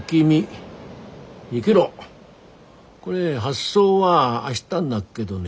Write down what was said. これ発送は明日になっけどね。